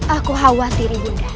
aku khawatir ibu undang